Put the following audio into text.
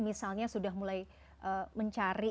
misalnya sudah mulai mencari